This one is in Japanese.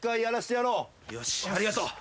よしありがとう。